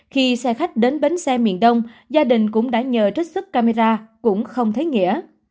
khi xe khách đến bến xe miền đông gia đình cũng đã nhờ trích xuất camera cũng không thấy nghĩa